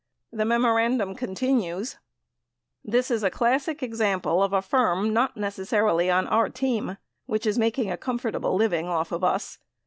The memorandum continues : This is a classic example of a firm, not necessarily on our team, which is making a comfortable living off of us.